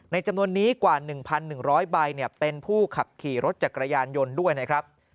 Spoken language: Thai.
จำนวนนี้กว่า๑๑๐๐ใบเป็นผู้ขับขี่รถจักรยานยนต์ด้วยนะครับ